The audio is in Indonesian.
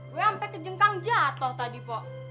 gue ampe ke jengkang jatoh tadi pok